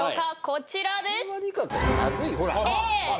こちらです。